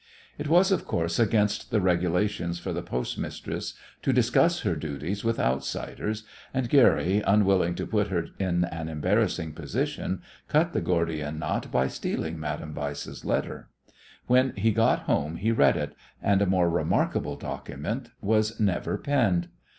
It was, of course, against the regulations for the postmistress to discuss her duties with outsiders, and Guerry, unwilling to put her in an embarrassing position, cut the Gordian knot by stealing Madame Weiss's letter. When he got home he read it, and a more remarkable document was never penned.